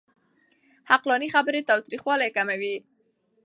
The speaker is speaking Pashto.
عقلاني خبرې تاوتريخوالی کموي.